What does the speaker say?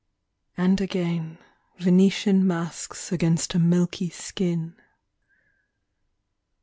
... And again Venetian masks against a milky skin.